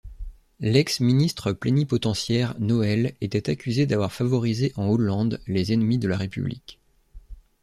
L’ex-ministre plénipotentiaire Noël était accusé d’avoir favorisé en Hollande les ennemis de la république.